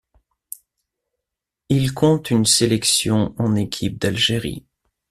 Il compte une sélection en équipe d'Algérie.